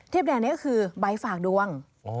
เทียบแดงนี้ก็คือใบฝากดวง